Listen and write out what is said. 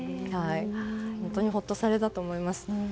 本当にほっとされたと思います。